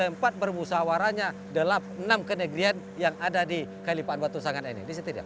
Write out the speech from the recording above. tempat berusawarannya dalam enam kenegrian yang ada di kelipa batu sanggan ini